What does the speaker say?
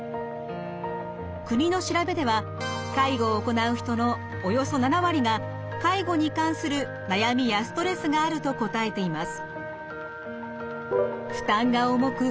国の調べでは介護を行う人のおよそ７割が介護に関する悩みやストレスがあると答えています。